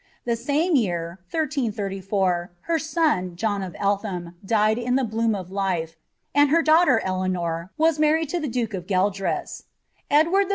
The same year, 1334, her eon, John of Eltham, died in the bloom of life, and her daughter, Eleanor, was married to the duke of Gueldres;* Edward 111.